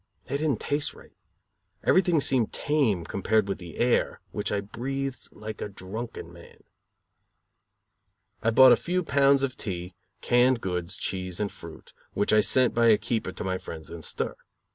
They did not taste right. Everything seemed tame, compared with the air, which I breathed like a drunken man. I bought a few pounds of tea, canned goods, cheese and fruit, which I sent by a keeper to my friends in stir.